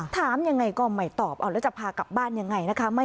ถามยังไงก็อ่อใหม่ตอบอ้าว่าจะพากลับบ้านยังไงนะคะ